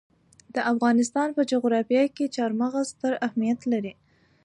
د افغانستان په جغرافیه کې چار مغز ستر اهمیت لري.